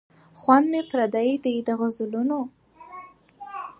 خوند مي پردی دی د غزلونو